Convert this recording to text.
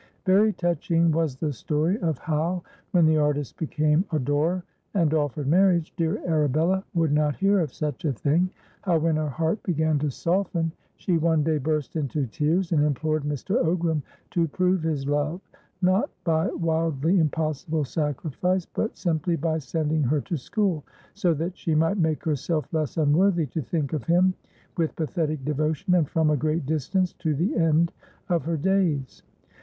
Very touching was the story of how, when the artist became adorer and offered marriage, dear Arabella would not hear of such a thing; how, when her heart began to soften, she one day burst into tears and implored Mr. Ogram to prove his love, not by wildly impossible sacrifice, but simply by sending her to school, so that she might make herself less unworthy to think of him with pathetic devotion, and from a great distance, to the end of her days.